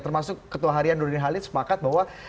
termasuk ketua harian nurdin halid sepakat bahwa